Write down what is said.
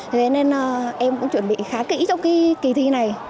thế nên em cũng chuẩn bị khá kỹ trong kỳ thi này